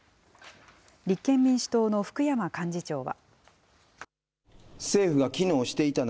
立憲民主党の福山幹事長は。